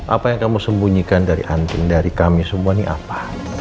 apa yang kamu sembunyikan dari anting dari kami semua ini apa